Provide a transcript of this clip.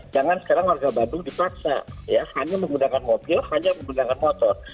jangan sekarang warga bandung dipaksa ya hanya menggunakan mobil hanya menggunakan motor